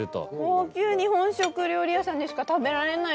高級日本食料理屋さんでしか食べられないカニ。